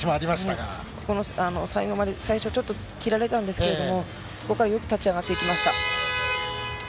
ここの最初、ちょっと切られたんですけれども、そこからよく立ち上がっていきました。